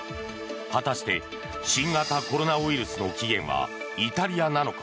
果たして新型コロナウイルスの起源はイタリアなのか。